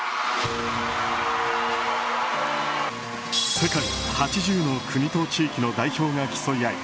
世界８０の国と地域の代表が競い合い